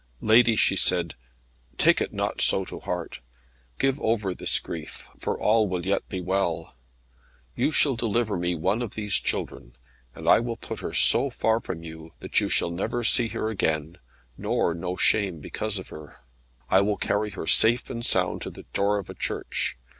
"Lady," she said, "take it not so to heart. Give over this grief, for all will yet be well. You shall deliver me one of these children, and I will put her so far from you, that you shall never see her again, nor know shame because of her. I will carry her safe and sound to the door of a church.